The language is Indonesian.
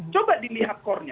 coba dilihat courtnya